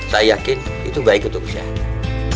saya yakin itu baik untuk kesehatan